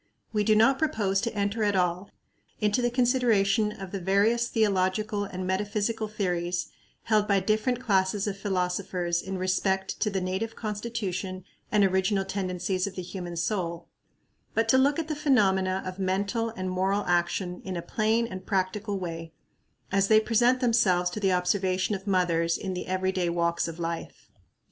We do not propose to enter at all into the consideration of the various theological and metaphysical theories held by different classes of philosophers in respect to the native constitution and original tendencies of the human soul, but to look at the phenomena of mental and moral action in a plain and practical way, as they present themselves to the observation of mothers in the every day walks of life.